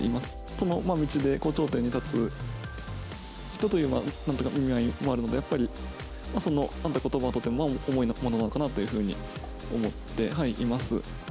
その道で頂点に立つ人という意味合いもあるので、やっぱり、そのことばはとても重いものなのかなというふうに思っています。